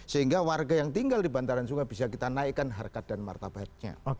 sehingga warga yang tinggal di bantaran sungai bisa kita naikkan harkat dan martabatnya